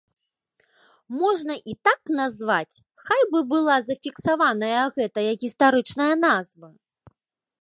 Можна і так назваць, хай бы была зафіксаваная гэтая гістарычная назва.